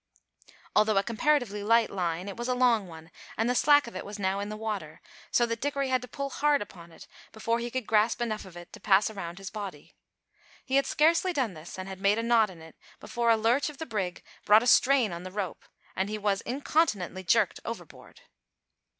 Although a comparatively light line, it was a long one, and the slack of it was now in the water, so that Dickory had to pull hard upon it before he could grasp enough of it to pass around his body. He had scarcely done this, and had made a knot in it, before a lurch of the brig brought a strain on the rope, and he was incontinently jerked overboard.